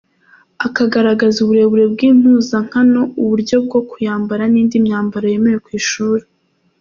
Akagaragaza uburebure bw’impuzankano, uburyo bwo kuyambara n’indi myambaro yemewe ku ishuri.